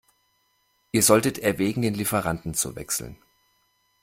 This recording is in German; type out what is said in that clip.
Ihr solltet erwägen, den Lieferanten zu wechseln.